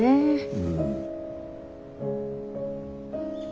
うん。